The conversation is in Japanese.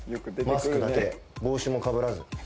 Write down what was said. マスクだけで帽子もかぶらず。